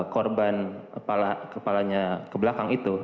korban kepala kebelakang itu